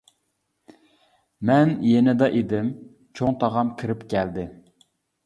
مەن يېنىدا ئىدىم، چوڭ تاغام كىرىپ كەلدى.